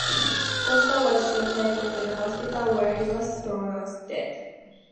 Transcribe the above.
Foster was soon taken to the hospital where he was pronounced dead.